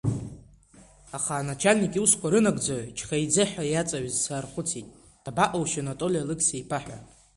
Аха аначальник иусқәа рынагӡаҩ Чхеиӡе ҳәа иаҵаҩыз саархәыцит, дабаҟоушь Анатоли Алықьса-иԥа ҳәа.